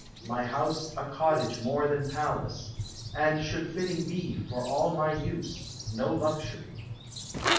My house a cottage more Than palace ; and should fitting be For all my use, no luxury.